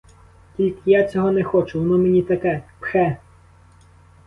Тільки я цього не хочу, воно мені таке — пхе!